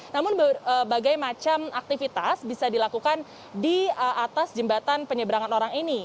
namun berbagai macam aktivitas bisa dilakukan di atas jembatan penyeberangan orang ini